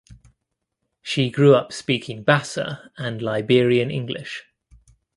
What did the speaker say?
She grew up speaking Bassa and Liberian English.